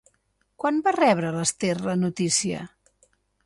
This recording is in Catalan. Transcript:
Quan va rebre l'Ester la notícia?